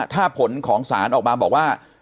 ถ้าผลของศาลออกมาบอกว่า